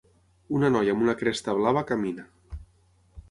Una noia amb una cresta blava camina.